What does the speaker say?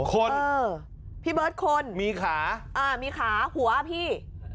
คนพี่เบิร์ตคนมีขามีขาหัวพี่